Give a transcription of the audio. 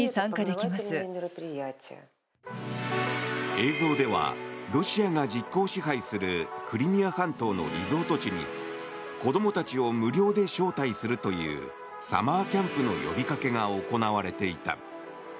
映像ではロシアが実効支配するクリミア半島のリゾート地に子供たちを無料で招待するというサマーキャンプの呼びかけが行われていた。